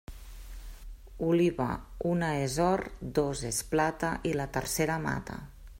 Oliva, una és or, dos és plata, i la tercera mata.